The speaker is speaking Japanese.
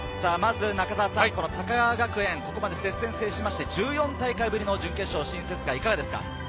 まず、高川学園、ここまで接戦しまして１４大会ぶりの準決勝進出ですが、いかがですか？